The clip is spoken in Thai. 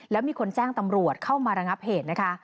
แล้วมีคนแจ้งตำรวจเข้ามาระงับเหตุนะคะ